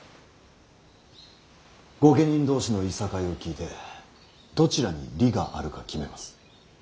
御家人同士のいさかいを聞いてどちらに理があるか決めます。